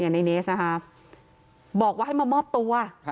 ในเนสนะคะบอกว่าให้มามอบตัว